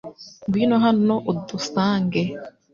Ngwino hano udusange .